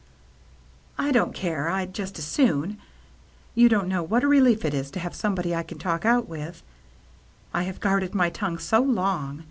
" I don't care — I'd just as soon. You don't know what a relief it is to have some body I can talk out with. I have guarded my tongue so long.